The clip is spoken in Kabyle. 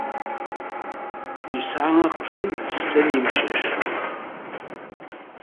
Yesɛa aqjun d setta n yemcac.